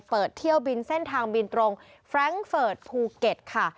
เปิดเที่ยวบินเส้นทางบินตรงแฟรงค์เฟิร์ตภูเก็ตค่ะ